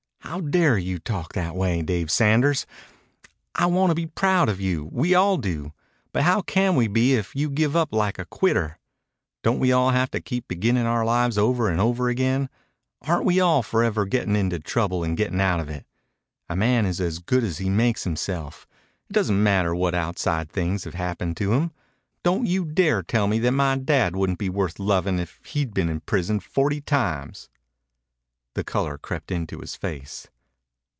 "How dare you talk that way, Dave Sanders! I want to be proud of you. We all do. But how can we be if you give up like a quitter? Don't we all have to keep beginning our lives over and over again? Aren't we all forever getting into trouble and getting out of it? A man is as good as he makes himself. It doesn't matter what outside thing has happened to him. Do you dare tell me that my dad wouldn't be worth loving if he'd been in prison forty times?" The color crept into his face.